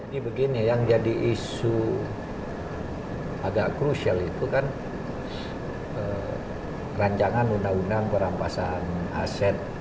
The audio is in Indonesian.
ini begini yang jadi isu agak krusial itu kan rancangan undang undang perampasan aset